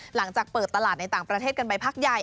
หลังจากเปิดตลาดในต่างประเทศกันไปพักใหญ่